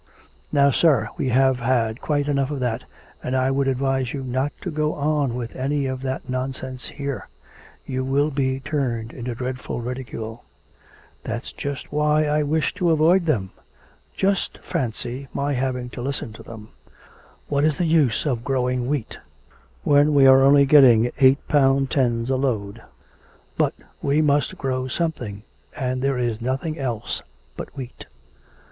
'Now, sir, we have had quite enough of that, and I would advise you not to go on with any of that nonsense here; you will be turned into dreadful ridicule.' 'That's just why I wish to avoid them. Just fancy my having to listen to them! What is the use of growing wheat when we are only getting eight pounds ten a load? ... But we must grow something, and there is nothing else but wheat.